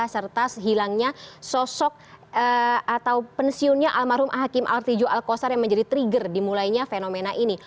serta hilangnya sosok atau pensiunnya almarhum hakim al tiju al kostar yang menjadi trigger dimulainya fenomena ini